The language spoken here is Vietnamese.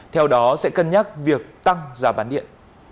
theo đó sẽ cân nhắc việc tăng giá bán điện